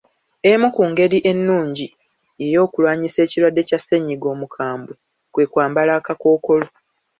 Emu ku ngeri ennungi y'okulwanisa ekirwadde kya ssennyiga omukambwe, kwe kwambala akakookolo.